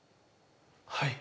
はい。